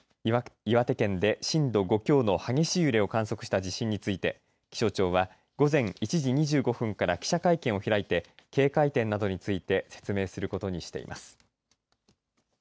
岩手県で震度５強の激しい揺れを観測した地震について気象庁は午前１時２５分から記者会見を開いて警戒点などについて説明することにしています。